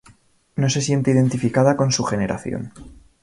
No se siente identificada con su generación.